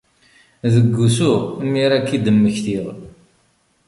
Deg wusu, mi ara k-id-mmektiɣ.